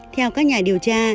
theo các nhà điều tra